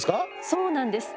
そうなんです。